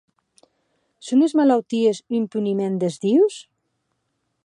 Son es malauties un puniment des dius?